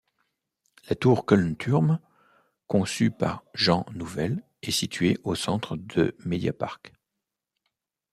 La tour Kölnturm, conçue par Jean Nouvel, est située au centre de MediaPark.